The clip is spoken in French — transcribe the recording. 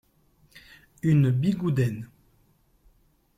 Une bigouden.